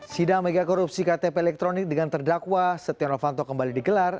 sidang megakorupsi ktp elektronik dengan terdakwa setia novanto kembali digelar